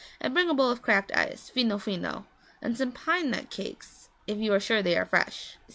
And bring a bowl of cracked ice fino fino and some pine nut cakes if you are sure they are fresh.'